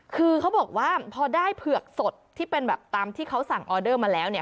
คือเขาบอกว่าพอได้เผือกสดที่เป็นแบบตามที่เขาสั่งออเดอร์มาแล้วเนี่ย